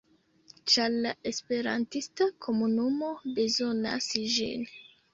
Ĉar la esperantista komunumo bezonas ĝin.